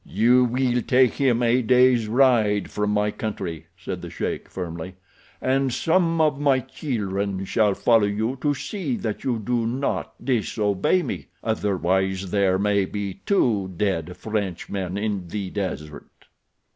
"You will take him a day's ride from my country," said the sheik, firmly, "and some of my children shall follow you to see that you do not disobey me—otherwise there may be two dead Frenchmen in the desert."